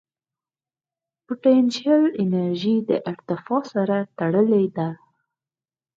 پټنشل انرژي د ارتفاع سره تړلې ده.